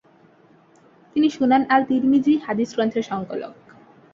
তিনি Sunan al Tirmidhi হাদিস গ্রন্থের সংকলক।